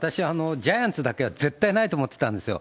私はジャイアンツだけは絶対ないと思ってたんですよ。